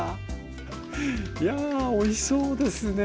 いやおいしそうですね。